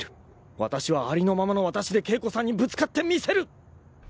わたしはありのままのわたしで景子さんにぶつかってみせる！